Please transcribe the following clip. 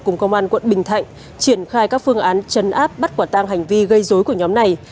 cùng công an quận bình thạnh triển khai các phương án chấn áp bắt quả tang hành vi gây dối của nhóm này